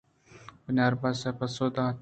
بناربس ءَپسو دات